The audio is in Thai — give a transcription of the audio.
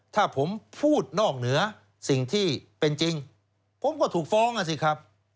ถ้าผมพูดนอกเหนือสิ่งที่เป็นจริงผมก็ถูกฟ้องอ่ะสิครับ